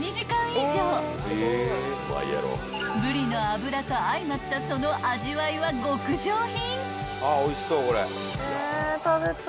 ［ブリの脂と相まったその味わいは極上品］